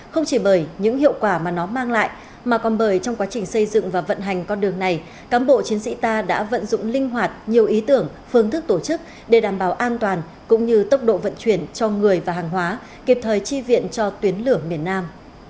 không chỉ bởi những hiệu quả mà nó mang lại mà còn bởi trong quá trình xây dựng và vận hành con đường này cán bộ chiến sĩ ta đã vận dụng linh hoạt nhiều ý tưởng phương thức tổ chức để đảm bảo an toàn cũng như tốc độ vận chuyển cho người và hàng hóa kịp thời tri viện cho tuyến lửa miền nam